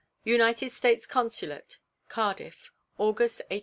UNITED STATES CONSULATE, CARDIFF, August, 1879.